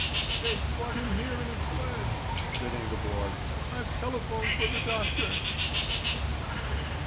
"They brought him here in a sledge," said Ingeborg. "I've telephoned for the doctor."